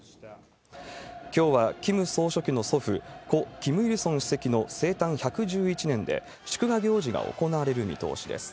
きょうはキム総書記の祖父、故・キム・イルソン主席の生誕１１１年で、祝賀行事が行われる見通しです。